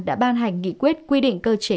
đã ban hành nghị quyết quy định cơ chế